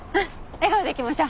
笑顔でいきましょう。